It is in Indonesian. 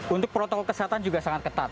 untuk protokol kesehatan juga sangat ketat